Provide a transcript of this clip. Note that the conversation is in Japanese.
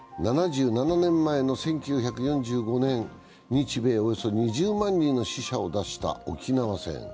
７７年前の１９４５年、日米およそ２０万人の死者を出した沖縄戦。